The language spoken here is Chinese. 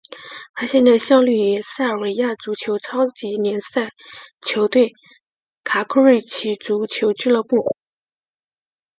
他现在效力于塞尔维亚足球超级联赛球队库卡瑞奇足球俱乐部。